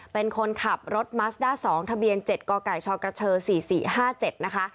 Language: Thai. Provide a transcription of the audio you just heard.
เป็นคนขับรถมัสด้า๒ทะเบียน๗กกชกช๔๔๕๗นะคะ